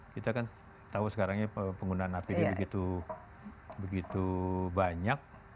kita kan tahu sekarang ini penggunaan apd begitu banyak